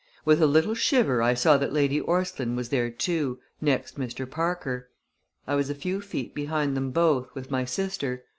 With a little shiver I saw that Lady Orstline was there too next Mr. Parker. I was a few feet behind them both, with my sister.